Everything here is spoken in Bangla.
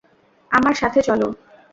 আমার সাথে চল।